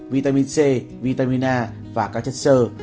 vitamin c vitamin a và các chất sơ